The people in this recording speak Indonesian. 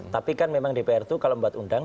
tapi kan memang dpr itu kalau membuat undang